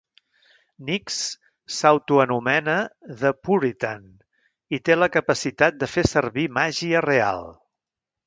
Nix s'autoanomena "The Puritan" i té la capacitat de fer servir màgia real.